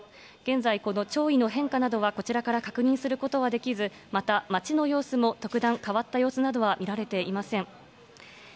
現在、この潮位の変化などはこちらから確認することはできず、また、街の様子も特段、変わった様子は見られていません。